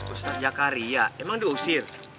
ustadz jacaria emang diusir